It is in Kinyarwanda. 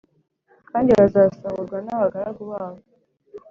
kandi bazasahurwa n’abagaragu babo